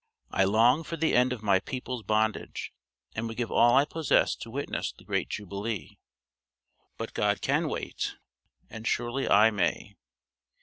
I long for the end of my people's bondage, and would give all I possess to witness the great jubilee; but God can wait, and surely I may.